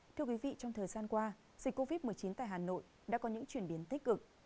thưa quý vị trong thời gian qua dịch covid một mươi chín tại hà nội đã có những chuyển biến tích cực